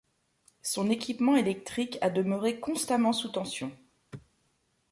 Son équipement électrique a demeuré constamment sous tension.